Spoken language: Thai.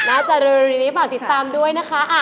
จะเร็วนี้ฝากติดตามด้วยนะคะ